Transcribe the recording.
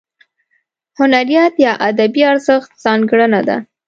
هنریت یا ادبي ارزښت ځانګړنه ده.